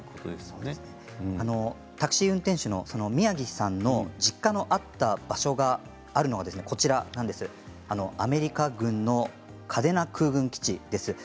タクシー運転手の宮城さんの実家のあった場所があるのがアメリカ軍の嘉手納空軍基地です。